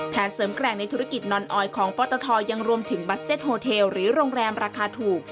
เสริมแกร่งในธุรกิจนอนออยของปตทยังรวมถึงบัสเต็ตโฮเทลหรือโรงแรมราคาถูก